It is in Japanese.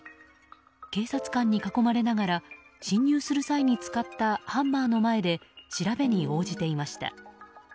警察官に囲まれながら侵入する際に使ったハンマーの前で調べに応じていました。